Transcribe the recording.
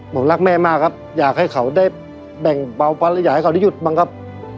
ผมรักแม่มากครับอยากให้เขาได้แบ่งเบาภาระอยากให้เขาได้หยุดบ้างครับ